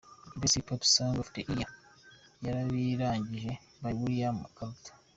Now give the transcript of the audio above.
Best Hip Hop song of the year: Yarabirangije by Willy Karuta.